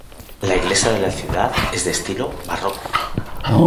La iglesia de la ciudad es de estilo barroco.